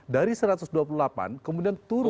dari satu ratus dua puluh delapan kemudian turun